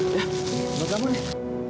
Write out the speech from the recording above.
ya ini untuk kamu nih